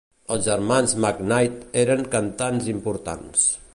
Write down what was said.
Els germans McKnight eren cantants importants.